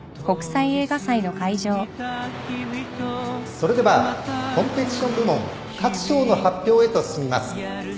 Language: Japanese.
それではコンペティション部門各賞の発表へと進みます。